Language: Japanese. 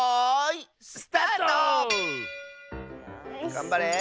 がんばれ。